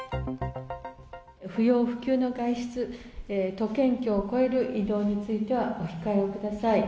不要不急の外出、都県境を越える移動についてはお控えをください。